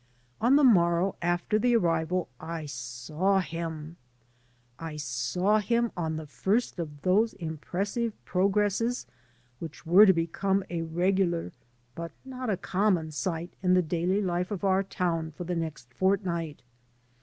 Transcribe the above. On the morrow after the arrival I saw him. I saw him on the first of those impressive progresses which were to become a regular, but not a common, sight in the daily life of our town for the next fortnight.